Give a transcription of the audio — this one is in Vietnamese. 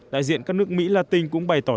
đại diện các nước mỹ latin cũng bày tỏ